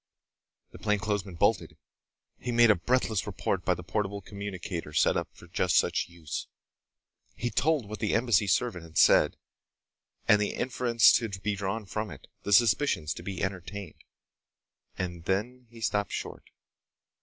The plainclothesman bolted. He made a breathless report by the portable communicator set up for just such use. He told what the Embassy servant had said, and the inference to be drawn from it, the suspicions to be entertained—and there he stopped short.